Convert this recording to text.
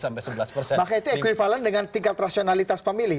maka itu equivalent dengan tingkat rasionalitas pemilih